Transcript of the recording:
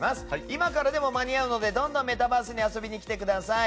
今からでも間に合うのでどんどんメタバースに遊びに来てください！